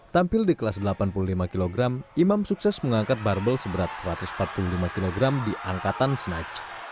tampil di kelas delapan puluh lima kg imam sukses mengangkat barbel seberat satu ratus empat puluh lima kg di angkatan snatch